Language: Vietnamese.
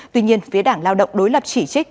tuy nhiên phía đảng lao động đối lập chỉ trích